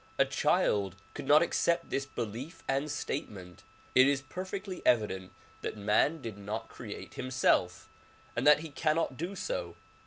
A child could not accept this belief and statement. It is perfectly evident that man did not create himself and that he cannot do so.